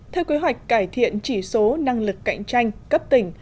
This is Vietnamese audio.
theo kế hoạch cải thiện chỉ số năng lực cạnh tranh cấp tỉnh